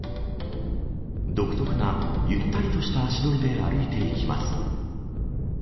独特なゆったりとした足取りで歩いていきます。